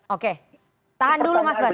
oke tahan dulu mas bas